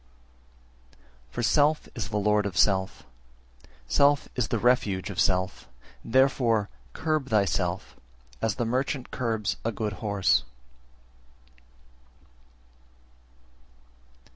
380. For self is the lord of self, self is the refuge of self; therefore curb thyself as the merchant curbs a good horse.